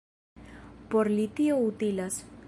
Por li tio utilas!